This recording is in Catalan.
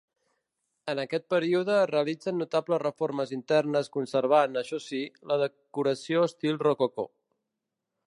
En aquest període es realitzen notables reformes internes conservant, això sí, la decoració estil rococó.